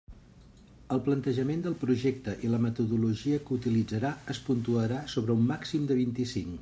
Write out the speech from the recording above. El plantejament del projecte i la metodologia que utilitzarà es puntuarà sobre un màxim de vint-i-cinc.